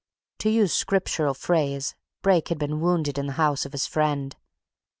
To use a Scriptural phrase, Brake had been wounded in the house of his friend.